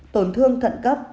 tổn thương thận cấp